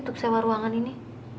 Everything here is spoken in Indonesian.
untuk sewa ruangan ini